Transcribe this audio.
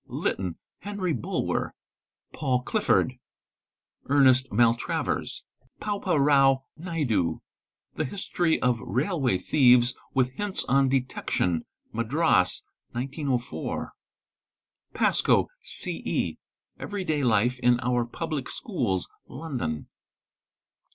Lytton (Henry Bulwer).—Paul Clifford.—Ernest Maltravers. " Paupa Rao Naidu.—The History of Railway Thieves with Hint on Detection, Madras, 1904. a Pascoe (C. E.).—Every day life in our Public Schools, London.